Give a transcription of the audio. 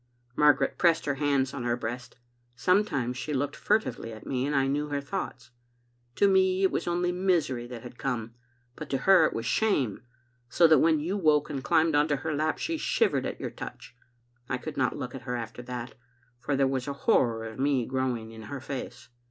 Margaret pressed her hands on her breast. Sometimes she looked furtively at me, and I knew her thoughts. To me it was only misery that had come, but to her it was shame, so that when you woke and climbed into her lap she shivered at your touch. I could not look at her after that, for there was a horror of me growing in her face.